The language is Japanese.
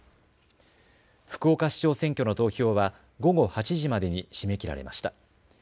福岡市長選挙の投票は午後８時までに締め切られました。